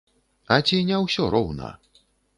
А ці не ўсё роўна?